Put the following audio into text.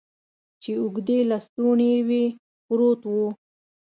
چې اوږدې لستوڼي یې وې، پروت و.